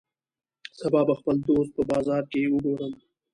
سبا به خپل دوست په بازار کی وګورم